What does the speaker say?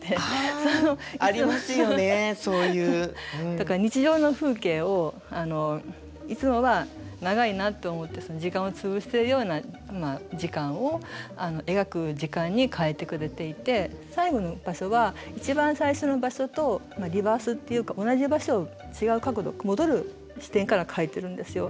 だから日常の風景をいつもは長いなって思って時間を潰しているような時間を描く時間に変えてくれていて最後の場所は一番最初の場所とリバースっていうか同じ場所を違う角度戻る視点から描いてるんですよ。